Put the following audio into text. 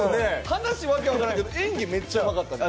話訳わからんけど演技めっちゃうまかったの。